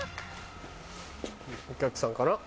お客さんかな？